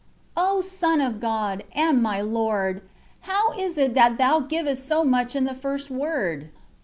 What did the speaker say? O Son of God ! and my Lord ! how is it that Thou givest so much in the first word